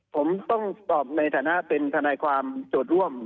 ผมต้องตอบในฐานะเป็นทนายความโจทย์ร่วม